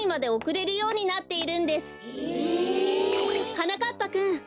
はなかっぱくん。